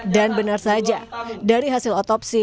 dan benar saja dari hasil otopsi